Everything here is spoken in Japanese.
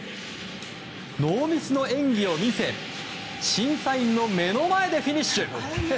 ノーミスの演技を見せ審査員の目の前でフィニッシュ。